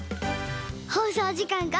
ほうそうじかんが。